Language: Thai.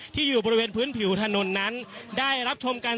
ที่อยู่บริเวณพื้นผิวถนนนั้นได้รับชมกัน